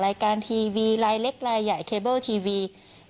รายการทีวีรายเล็กลายใหญ่เคเบิลทีวี